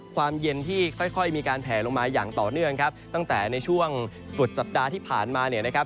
ความเย็นที่ค่อยค่อยมีการแผลลงมาอย่างต่อเนื่องครับตั้งแต่ในช่วงสุดสัปดาห์ที่ผ่านมาเนี่ยนะครับ